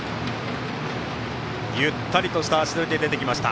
ゆったりとした足取りで出てきました。